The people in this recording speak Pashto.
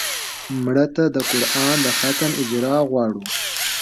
مړه ته د قرآن د ختم اجر غواړو